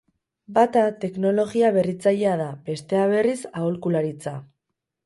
Bata teknologia berritzailea da, bestea berriz, aholkularitza.